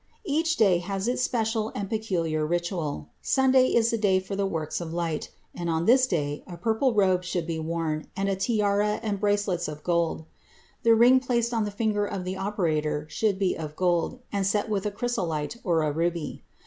Each day has its special and peculiar ritual. Sunday is the day for the "Works of Light," and on this day a purple robe should be worn and a tiara and bracelets of gold; the ring placed on the finger of the operator should be of gold and set with a chrysolite or a ruby.